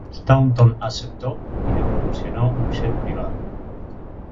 Staunton aceptó y le proporcionó un jet privado.